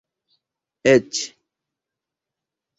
eĉ